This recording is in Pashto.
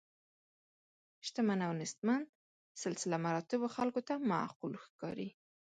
شتمن او نیستمن سلسله مراتبو خلکو ته معقول ښکاري.